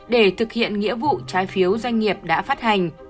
để thực hiện nghĩa vụ trái phiếu doanh nghiệp đã phát hành